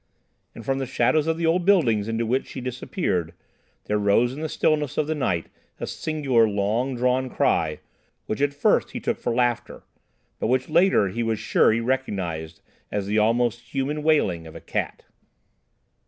And from the shadows of the old buildings into which she disappeared there rose in the stillness of the night a singular, long drawn cry, which at first he took for laughter, but which later he was sure he recognised as the almost human wailing of a cat.